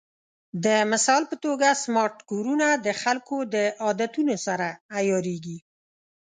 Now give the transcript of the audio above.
د مثال په توګه، سمارټ کورونه د خلکو د عادتونو سره عیارېږي.